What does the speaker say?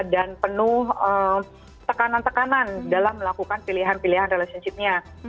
dan penuh tekanan tekanan dalam melakukan pilihan pilihan relationshipnya